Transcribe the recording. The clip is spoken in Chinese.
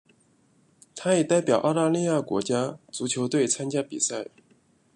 他也代表澳大利亚国家足球队参加比赛。